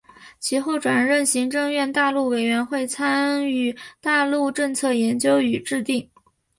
其后转任行政院大陆委员会参与大陆政策研究与制定。